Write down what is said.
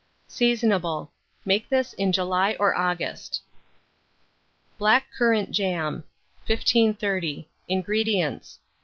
Seasonable. Make this in July or August. BLACK CURRANT JAM. 1530. INGREDIENTS.